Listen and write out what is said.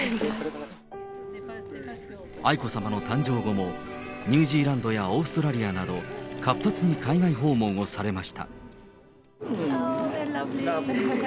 愛子さまの誕生後も、ニュージーランドやオーストラリアなど、活発に海外訪問をされました。